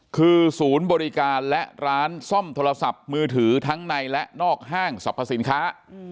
คือศูนย์บริการและร้านซ่อมโทรศัพท์มือถือทั้งในและนอกห้างสรรพสินค้า